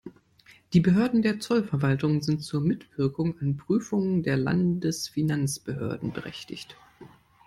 Die Behörden der Zollverwaltung sind zur Mitwirkung an Prüfungen der Landesfinanzbehörden berechtigt.